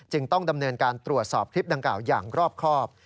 ต้องดำเนินการตรวจสอบคลิปดังกล่าวอย่างรอบครอบ